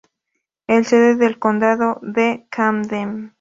Es sede del condado de Camden.